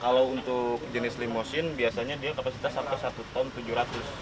kalau untuk jenis limosin biasanya dia kapasitas sampai satu ton tujuh ratus